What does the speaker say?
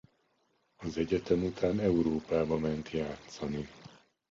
Az egyetem után Európába ment játszani.